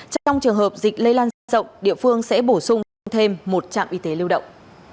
trong trường hợp dịch lây lan diện rộng địa phương sẽ bổ sung thêm một trạm y tế lưu động